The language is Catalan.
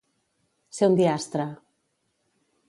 Ser un diastre.